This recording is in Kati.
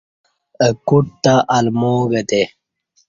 ا کوٹ تہ الماں گتے